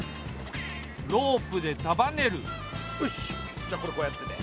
じゃあこれこうやってて。